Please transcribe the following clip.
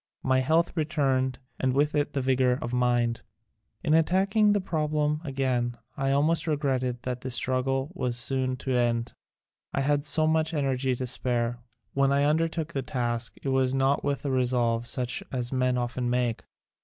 My health returned and with it the vigor of mind. In attacking the problem again I almost regretted that the struggle was soon to end. I had so much energy to spare. When I undertook the task it was not with a resolve such as men often make.